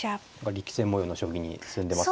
力戦模様の将棋に進んでます。